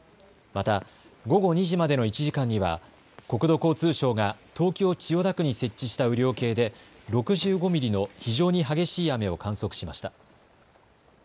また午後２時までの１時間には、国土交通省が東京・千代田区に設置した雨量計で、６５ミリの非常に激しい雨を観測しました。